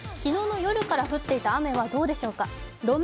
昨日の夜から降っていた雨はどうでしょうか。